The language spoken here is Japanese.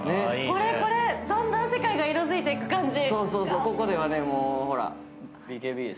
これこれ、だんだん世界が色づいていく感じ。